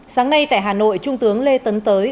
sáng nay tại hà nội trung tướng lê tấn tới